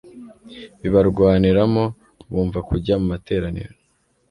bibarwaniramo, bumva kujya mu materaniro